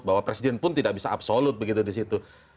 bahwa presiden pun tidak bisa absolut begitu disitu